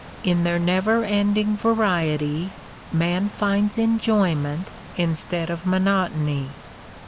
In their never ending variety man finds enjoyment instead of monotony.